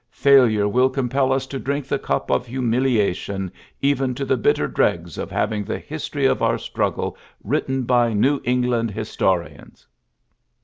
Failure will compel us to drink the cup of humiliation^ even to the bitter dregs of having the history of our struggle written by New England historians."